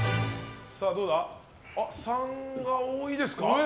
３が多いですか。